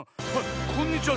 こんにちは